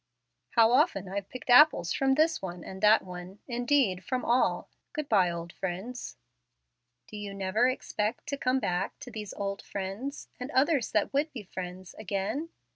"How often I've picked apples from this one and that one indeed from all! Good by, old friends." "Do you never expect to come back to these 'old friends,' and others that would be friends again?"